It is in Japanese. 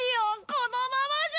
このままじゃ！